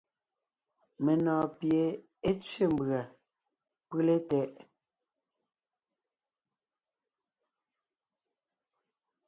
Menɔ̀ɔn pie é tsẅé mbʉ̀a pʉ́le tɛʼ.